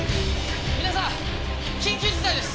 皆さん緊急事態です！